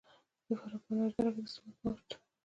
د فراه په انار دره کې د سمنټو مواد شته.